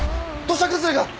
土砂崩れが！